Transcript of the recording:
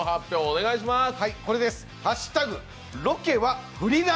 お願いします。